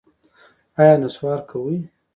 ایا نسوار کوئ؟